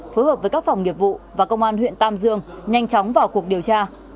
phối hợp với các phòng nghiệp vụ và công an huyện tam dương nhanh chóng vào cuộc điều tra